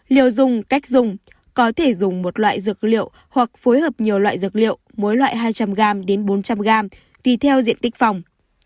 liều dùng cách dùng có thể dùng một loại dược liệu hoặc phối hợp nhiều loại dược liệu mỗi loại hai trăm linh gram đến bốn trăm linh gram tùy theo diện tích phòng